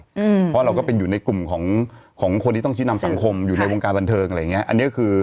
เพราะเราก็เป็นอยู่ในกลุ่มของของคนที่ต้องชี้นำสังคมอยู่ในวงการบันเทิงอะไรอย่างเงี้อันนี้คือ